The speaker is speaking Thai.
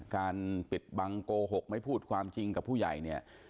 การปิดบังโกหกไม่พูดความจริงกับผู้ใหญ่เนี่ย